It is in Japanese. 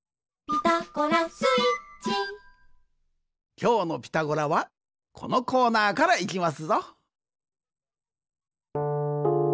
きょうの「ピタゴラ」はこのコーナーからいきますぞ。